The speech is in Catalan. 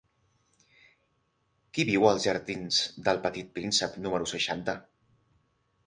Qui viu als jardins d'El Petit Príncep número seixanta?